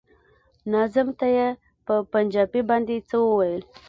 ناظم ته يې په پنجابي باندې څه ويل.